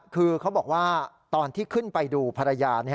คือเขาบอกว่าตอนที่ขึ้นไปดูภรรยา